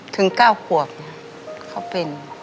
ถึง๙ขวบเขาเป็น